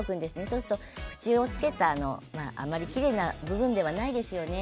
そうすると口を付けたあまりきれいな部分ではないですよね。